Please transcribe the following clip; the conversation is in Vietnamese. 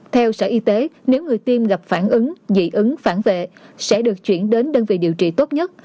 theo sở y tế nếu người tiêm gặp phản ứng dị ứng phản vệ sẽ được chuyển đến đơn vị điều trị tốt nhất